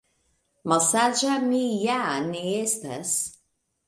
Malsaĝa mi ja ne estas!